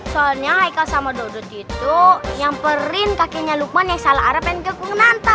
soalnya haikal sama dodot itu nyamperin kakenya lukman yang salah arah pengen ke kunanta